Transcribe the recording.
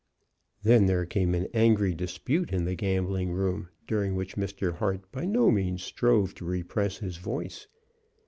Then there came an angry dispute in the gambling room, during which Mr. Hart by no means strove to repress his voice.